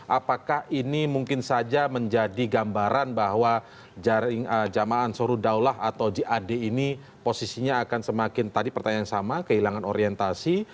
apakah ini mungkin saja menjadi gambaran bahwa jamaah surudaulah atau jad ini posisinya akan semakin tadi pertanyaan yang sama kehilangan orientasi